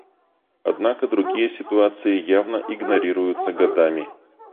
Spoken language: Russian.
Однако другие ситуации явно игнорируются годами.